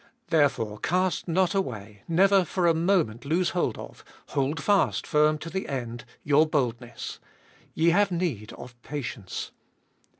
Therefore cast not away, never for a moment lose hold of, hold fast firm to the end, your boldness — ye have need of patience.